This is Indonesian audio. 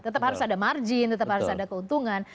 tetap harus ada margin tetap harus ada keuntungan